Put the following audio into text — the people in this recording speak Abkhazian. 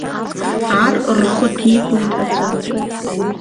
Ар рхы ҭигоит аӡәы.